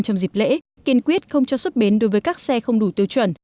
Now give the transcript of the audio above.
trong dịp lễ kiên quyết không cho xuất bến đối với các xe không đủ tiêu chuẩn